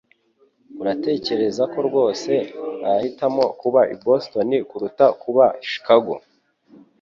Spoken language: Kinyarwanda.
Uratekereza rwose ko nahitamo kuba i Boston kuruta Chicago